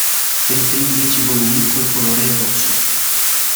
Per i primi dieci volumi quel colore è il rosso.